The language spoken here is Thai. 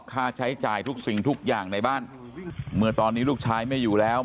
ค่าใช้จ่ายทุกสิ่งทุกอย่างในบ้านเมื่อตอนนี้ลูกชายไม่อยู่แล้ว